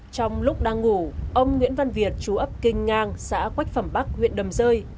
trong lúc đang ngủ ông nguyễn văn việt chú ấp kinh ngang xã quách phẩm bắc huyện đầm rơi